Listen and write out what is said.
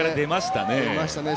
出ましたね。